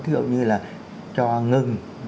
thí hiệu như là cho ngừng